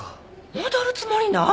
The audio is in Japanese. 戻るつもりなん？